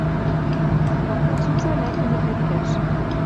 Корны цуца лӓктӹнӹт лепкӓш.